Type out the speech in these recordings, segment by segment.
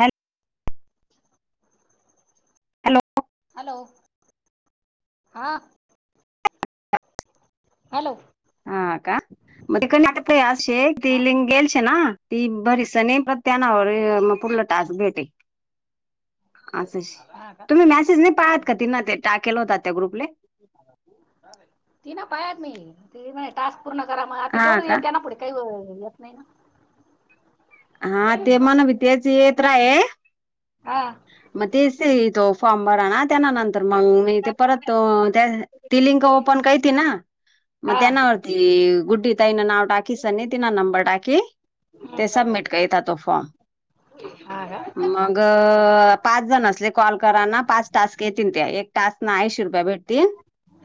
Hello hello hello हा hello हा का मग त अस ती हा लिंग गेलश ना ती बरीसनी त्याना हा [inaudible] तास भेटे अस हा का तुम्ही मेसेज नाही पाहात का ति ना ते टाकेल होतात ती ना पायात मी ते म टास्क पूर्ण करा म आता हा का तेवढं द्याना पुढे काही येत नाही ना हा ते मण भी तेच येत रा आहे मग तेच तो फॉर्म भरा ना त्या नंतर मग म परत ती लिंक ओपन कती ना मग हा त्यावरती गु ताय ना टकी स ति नंबर टाकी ते सबमिट कर तो फॉर्म हा का हा हा मगगं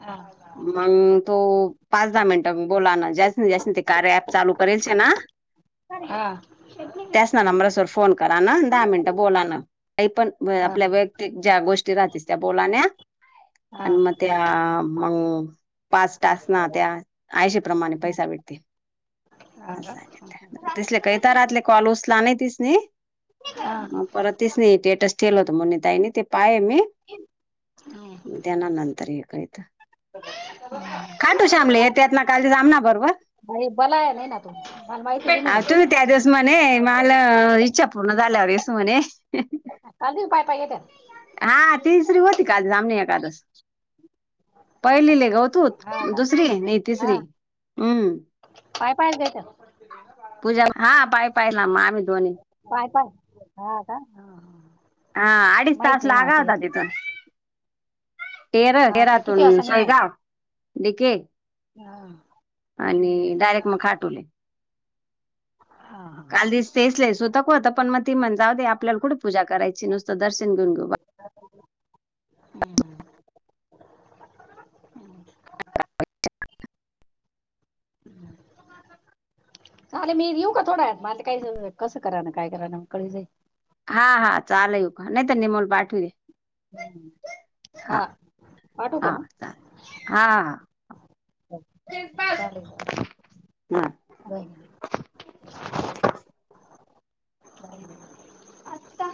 हा हो पाच दहा मिनट बोलाना [inaudible] कार्य ऍप चालू करल ना हा त्यास ना नंबरसर फोन करा ना दहा मिनिटं बोला ना काही पण आपल्या वैयक्तिक ज्या गोष्टी [unintelligible] त्या बोला ना आणि मत अ मग पाच तास ना त्या ऐशी प्र्रमाणे पैसा भेटते ह तस काही तरातले कॉल उसला नाही तिस नाही हा म परतच नाही स्टेटस ठेल होत म्ह तानी ते पाय म हम्म. त्याना नंतर हे का येत खाटू शामले येत्यात ना आत ना काल आमना [unintelligible] बवा [unintelligible] अई बला आहे नाही ना तू मला माहिती त म अ तुम्ही त्या दिवस म्हणे [unintelligible] मला इच्छा पूर्ण झाल्यावरस म्हणे का त पाय पायेत [unintelligible] हा तिसरी होती कादस आम एदस पहिली लेख होती हा [unintelligible] त का दुसरी नाही हा तिसरी हम्म पाय पायच घ्यायच्या पूजा हा पाय पाहिला म आमी पाय पाय हा का ह. हा अडीच तास लागा होता तिथ तेर हा का किती तेरातून वाजता निघणार शेगाव डिके. हा आणि हम्म. डायरेक्ट मग खाटू ले. हा हा काल दिस तेस [unintelligible] मती म्हण जाव दे आपल्याला कुठे पूजा कराय ची नुसतं दर्शन घेऊन घेऊ बा [unintelligible] चाले मी येऊ का थोडा वेळात माझ [unintelligible] हा हा चाले ये का नाहीत निमल पाठवी हा पाठव का हा चालेल हा चालेल हा चाले आता